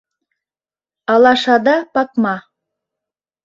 АЛАШАДА ПАКМА